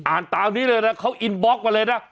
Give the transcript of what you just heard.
ตามนี้เลยนะเขาอินบล็อกมาเลยนะ